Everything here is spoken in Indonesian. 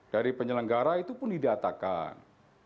dari penyelenggara itu pun didatakan